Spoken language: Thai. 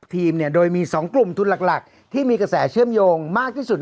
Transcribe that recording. ทีมเนี่ยโดยมี๒กลุ่มทุนหลักที่มีกระแสเชื่อมโยงมากที่สุด